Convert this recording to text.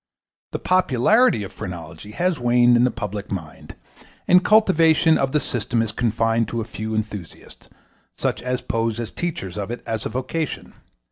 The popularity of phrenology has waned in the public mind, and cultivation of the system is confined to a few enthusiasts, such as pose as teachers of it as a vocation.